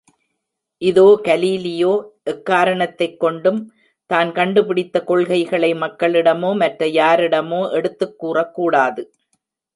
இதோ கலீலியோ எக்காரணத்தைக் கொண்டும் தான் கண்டுபிடித்தக் கொள்கைகளை மக்களிடமோ, மற்ற யாரிடமோ எடுத்துக் கூறக்கூடாது.